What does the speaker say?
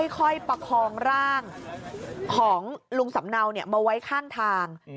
ประคองร่างของลุงสำเนามาไว้ข้างทาง